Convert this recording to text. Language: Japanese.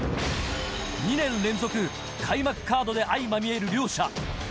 ２年連続、開幕カードで相まみえる両者。